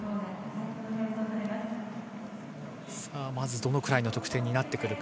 どのくらいの得点になってくるか。